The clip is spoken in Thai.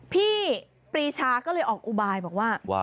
พี่ปรีชาก็เลยออกอุบายบอกว่า